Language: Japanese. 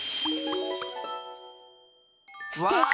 すてき！